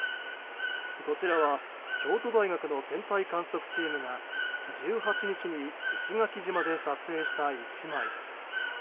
こちらは京都大学の天体観測チームが１８日に石垣島で撮影した１枚。